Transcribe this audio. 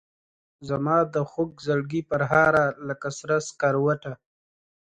زمادخوږزړګي پرهاره لکه سره سکروټه